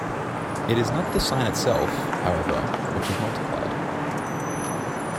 It is not the sign itself, however, which has multiplied.